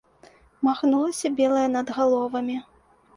Махнулася белае над галовамі.